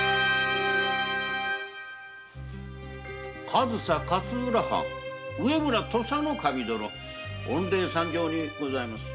上総勝浦藩植村土佐守殿お礼参上にございます。